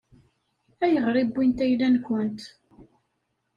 Ayɣer i wwint ayla-nkent?